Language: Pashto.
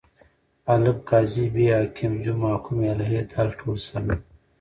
الف: قاضي ب: حاکم ج: محکوم علیه د: ټوله سم دي.